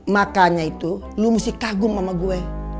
makanya itu lo mesti kagum sama gue